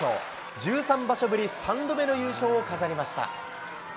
１３場所ぶり３度目の優勝を飾りました。